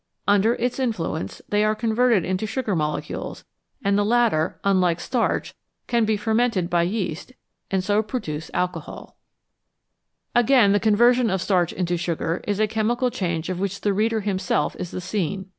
Under its influence they are converted into sugar molecules, and the latter, unlike starch, can be fermented by yeast, and so produce alcohol. 233 SUGAR AND STARCH Again, the conversion of starch into sugar is a chemical change of which the reader himself is the scene.